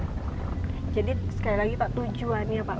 jadi sekali lagi pak tujuan ya pak